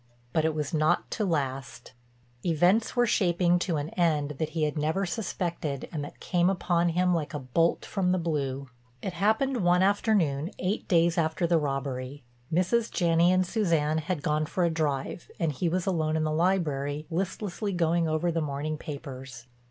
But it was not to last—events were shaping to an end that he had never suspected and that came upon him like a bolt from the blue. It happened one afternoon eight days after the robbery. Mrs. Janney and Suzanne had gone for a drive and he was alone in the library, listlessly going over the morning papers.